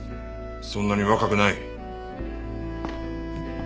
そんなに若くない。